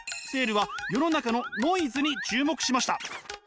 セールは世の中のノイズに注目しました。